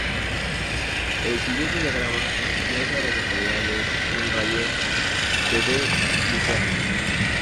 El siguiente diagrama muestra a las localidades en un radio de de Lucerne.